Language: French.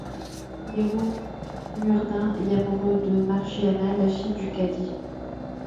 Le héros, Nureddin, est amoureux de Margiana, la fille du Cadi.